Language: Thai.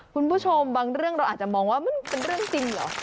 คุณผู้ชมบางเรื่องเราอาจจะมองว่ามันเป็นเรื่องจริงเหรอ